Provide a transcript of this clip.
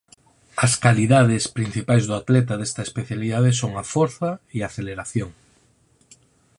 As calidades principais do atleta desta especialidade son a forza e a aceleración.